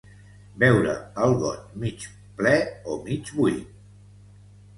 Veure el got mig ple o mig buit.